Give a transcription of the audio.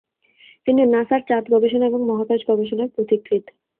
তিনি নাসার চাঁদ গবেষণা এবং মহাকাশ গবেষণার পথিকৃৎ।